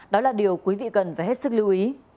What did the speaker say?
đó là điều quý vị cần phải hết sức lưu ý